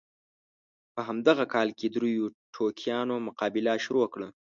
په همدغه کال کې دریو ټوکیانو مقابله شروع کړه.